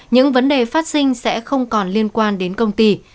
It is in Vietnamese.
những vấn đề phát sinh sẽ không còn liên quan đến công ty